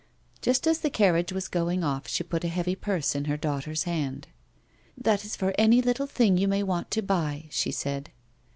Just as the carriage was going off, she piit a heavy purse in her daughter's hand. " That is for any little thing you may want to buy,"' she said.